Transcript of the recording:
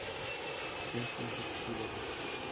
Es insectívoro.